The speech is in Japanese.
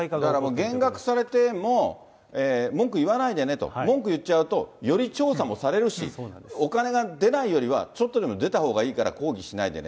減額されても、文句言わないでねと、文句言っちゃうとより調査をされるし、お金が出ないよりはちょっとでも出たほうがいいから抗議しないでね。